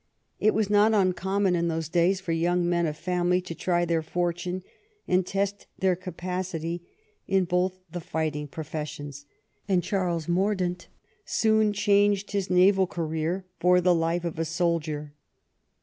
It was not uncommon in those days for yoimg men of family to try their fortune and test their capacity in bolli the fighting 127 THE REIGN OP QUEEN ANNE professions, and Charles Mordaunt soon changed his naval career for the life of a soldier.